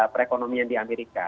perekonomian di amerika